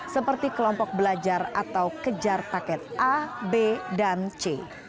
seperti kelompok belajar atau kejar paket a b dan c